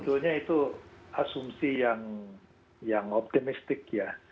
jadi itu asumsi yang optimistik ya